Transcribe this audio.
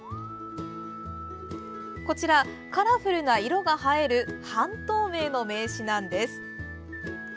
こちら、カラフルな色が映える半透明の名刺なんです。